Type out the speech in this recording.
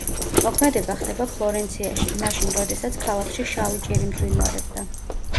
მოქმედება ხდება ფლორენციაში, მაშინ როდესაც ქალაქში შავი ჭირი მძვინვარებდა.